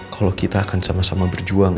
kalau kita akan sama sama berjuang